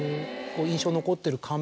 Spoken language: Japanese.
印象に残ってる。